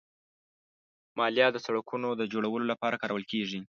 مالیه د سړکونو جوړولو لپاره کارول کېږي.